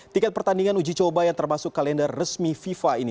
tiket pertandingan uji coba yang termasuk kalender resmi fifa ini